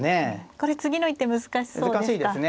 これ次の一手難しそうですか。